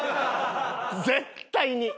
絶対に！